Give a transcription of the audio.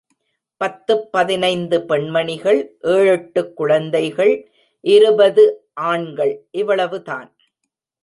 பத்துப் பதினைந்து பெண்மணிகள், ஏழெட்டுக் குழந்தைகள், இருபது ஆண்கள் இவ்வளவுதான்.